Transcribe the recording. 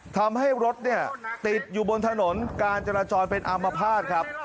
ทำให้รถเนี่ยติดอยู่บนถนนการจราจรเป็นอามภาษณ์ครับ